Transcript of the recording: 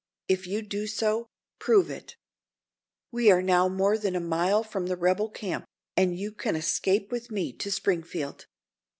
If you do so, prove it! We are now more than a mile from the rebel camp, and you can escape with me to Springfield."